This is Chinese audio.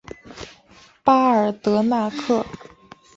巴尔德纳克。